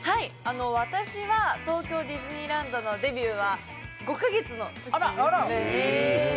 私は東京ディズニーランドのデビューは５カ月のときなんです